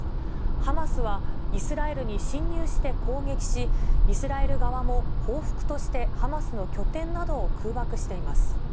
ハマスはイスラエルに侵入して攻撃し、イスラエル側も報復としてハマスの拠点などを空爆しています。